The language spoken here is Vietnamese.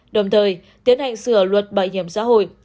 đồng thời tiến hành sửa luật bảo hiểm xã hội